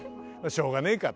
「しょうがねえか」と。